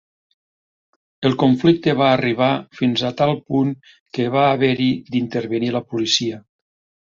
El conflicte va arribar fins a tal punt que va haver-hi d’intervenir la policia.